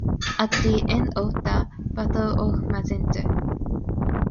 At the end of the Battle of Magenta.